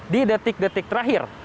di detik detik terakhir